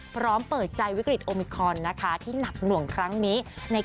พร้อมเปิดใจวิกฤตโอมิคอนนะคะที่หนักหน่วงครั้งนี้